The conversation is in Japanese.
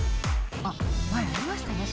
あっ前ありましたね